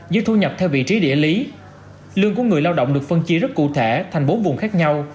như thu nhập theo vị trí địa lý lương của người lao động được phân chia rất cụ thể thành bốn vùng khác nhau